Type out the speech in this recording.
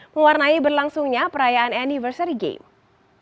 mewarnai berlangsungnya perayaan anniversary game